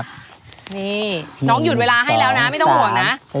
นี่น้องหยุดเวลาให้แล้วนะไม่ต้องห่วงนะ